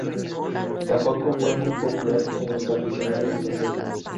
Tampoco fue muy popular en los aficionados de la serie.